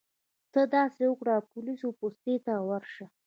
ته داسې وکړه پولیسو پوستې ته ورشه.